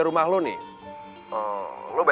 aku bisa mencoba